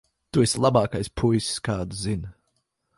Tu esi labākais puisis, kādu zinu.